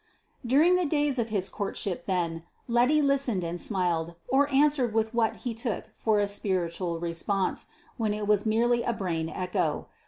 During the days of his courtship, then, Letty listened and smiled, or answered with what he took for a spiritual response, when it was merely a brain echo.